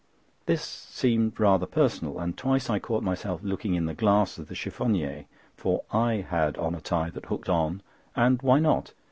This seemed rather personal and twice I caught myself looking in the glass of the cheffonière; for I had on a tie that hooked on—and why not?